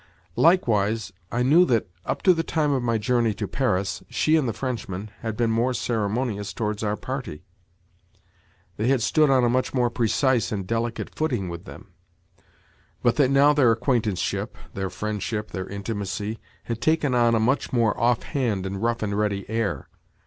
Likewise I knew that, up to the time of my journey to Paris, she and the Frenchman had been more ceremonious towards our party—they had stood on a much more precise and delicate footing with them; but that now their acquaintanceship—their friendship, their intimacy—had taken on a much more off hand and rough and ready air.